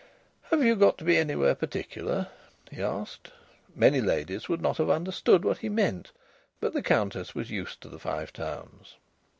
"Have you got to be anywhere particular?" he asked. Many ladies would not have understood what he meant. But the Countess was used to the Five Towns.